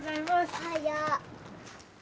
おはよう。